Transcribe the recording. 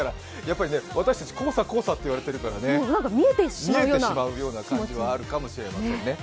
やっぱり黄砂、黄砂って言われているからね、見えてしまうような気持ちはあるかもしれませんね。